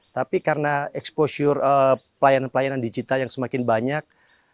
tapi karena exposure pelayanan pelayanan digital yang semakin banyak